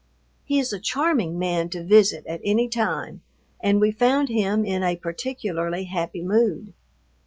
He is a charming man to visit at any time, and we found him in a particularly happy mood.